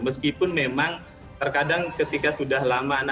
meskipun memang terkadang ketika sudah lama